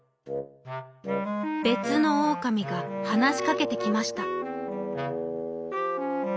べつのオオカミがはなしかけてきました。